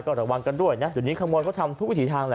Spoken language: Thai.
ก็ระวังกันด้วยนะทีนี้ข้างบนเขาทำทุกวิถีทาง